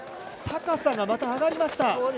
高さがまた上がりました。